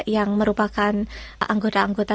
yang merupakan anggota anggota